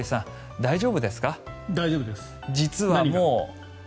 大丈夫です。